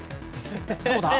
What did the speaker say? どうだ？